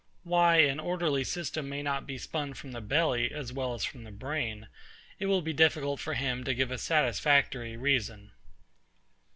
Why an orderly system may not be spun from the belly as well as from the brain, it will be difficult for him to give a satisfactory reason.